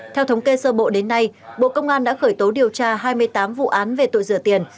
theo thống kê sơ bộ đến nay bộ công an đã khởi tố điều tra hai mươi tám vụ án về tội rửa tiền